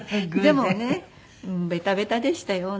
でもねベタベタでしたよ。